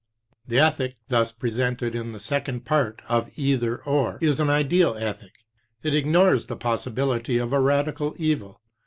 The ethic thus presented in the second part of Either—Or is an ideal ethic. It ignores the possibility of a radical evil.